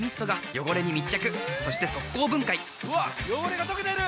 汚れが溶けてる！